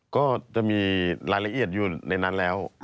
ก็จะมีรายละเอียดอยู่ในนั้นแล้ว